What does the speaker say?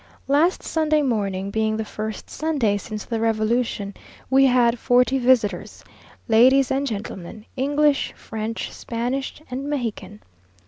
Last Sunday morning, being the first Sunday since the revolution, we had forty visitors ladies and gentlemen, English, French, Spanish, and Mexican.